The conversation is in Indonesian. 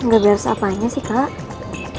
nggak beres apanya sih kak